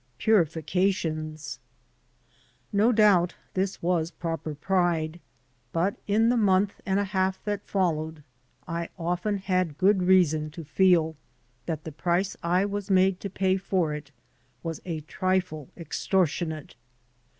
PURIFICATIONS NO doubt this was proper pride, but in the month and a half that followed I often had good reason to feel that the price I was made to pay for it was a trifle extortionate.